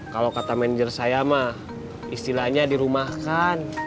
kalau kata manajer saya mah istilahnya dirumahkan